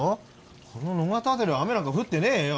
この野方辺りは雨なんか降ってねえよ